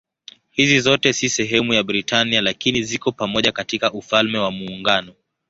Hizi zote si sehemu ya Britania lakini ziko pamoja katika Ufalme wa Muungano.